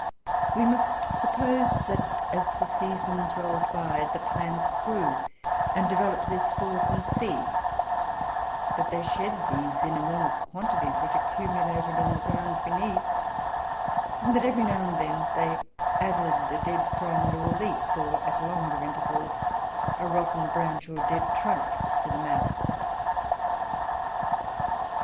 We must suppose that, as the seasons rolled by, the plants grew and developed their spores and seeds; that they shed these in enormous quantities, which accumulated on the ground beneath; and that, every now and then, they added a dead frond or leaf; or, at longer intervals, a rotten branch, or a dead trunk, to the mass.